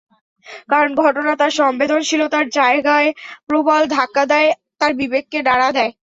কারণ, ঘটনা তার সংবেদনশীলতার জায়গায় প্রবল ধাক্কা দেয়, তার বিবেককে নাড়া দেয়।